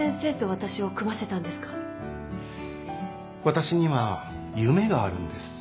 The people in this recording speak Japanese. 私には夢があるんです。